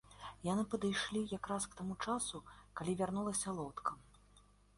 Яны падышлі якраз к таму часу, калі вярнулася лодка.